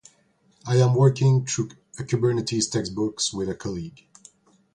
I am working through a Kubernetes textbook with a colleague.